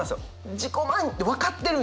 自己満って分かってるんよ。